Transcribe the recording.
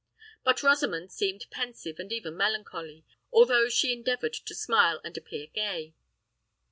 But Rosamond seemed pensive and even melancholy—although she endeavoured to smile and appear gay.